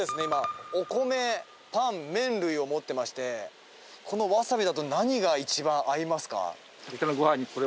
今お米パン麺類を持ってましてこのわさびだと何が一番合いますか？